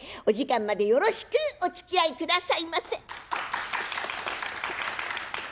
お時間までよろしくおつきあいくださいませ。